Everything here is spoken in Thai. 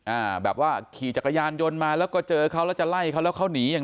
อ่าแบบว่าขี่จักรยานยนต์มาแล้วก็เจอเขาแล้วจะไล่เขาแล้วเขาหนีอย่าง